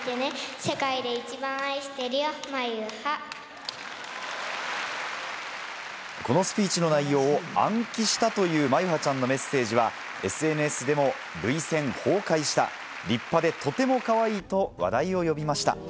世界で一番愛してるよ、このスピーチの内容を、暗記したという眞結羽ちゃんのメッセージは、ＳＮＳでも涙腺崩壊した、立派でとてもかわいいと話題を呼びました。